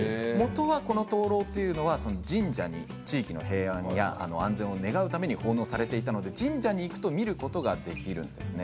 この灯籠というのは神社に地域の平安や安全を願うために奉納されていたものですが神社に行くと見ることができるんです。